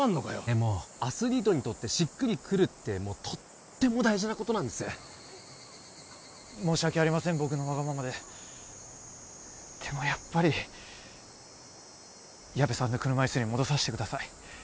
でもアスリートにとってしっくりくるってもうとっても大事なことなんです申し訳ありません僕のわがままででもやっぱり矢部さんの車いすに戻させてください